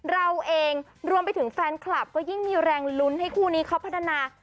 เราเองรวมไปถึงแฟนคลับก็ยิ่งมีแรงลุ้นให้คู่นี้เขาพัฒนา